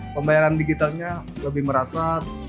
pembayaran digitalnya lebih merata